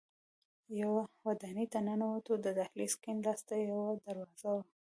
یوه ودانۍ ته ننوتو، د دهلېز کیڼ لاس ته یوه دروازه وه.